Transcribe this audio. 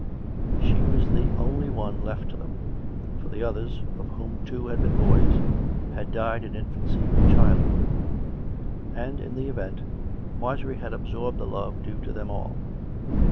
She was the only one left to them; for the others, of whom two had been boj^s, had died in in fancy or childhood; and, in the event, Marjorie had ab sorbed the love due to them all.